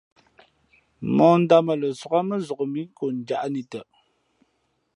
Mᾱ ǎ dāmα lα sog ā mά nzok mǐ konjāʼ nǐ tαʼ.